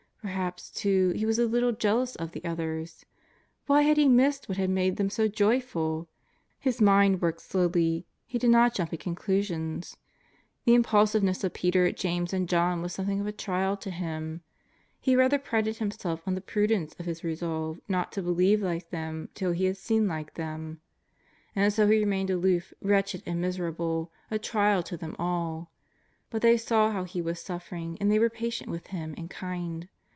Perhaps, too, he was a little jeal ous of the others. Why had he missed what had made them so joyful ! His mind worked slowly. He did not jump at conclusions. The impulsiveness of Peter, James, and John was something of a trial to him. He rather prided himself on the prudence of his resolve not to believe like them till he had seen like them. And so he remained aloof, wretched and miserable, a trial to them all. But they saw how he was suffering, and they were patient with him and kind.